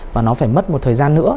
và nó phải mất một thời gian nữa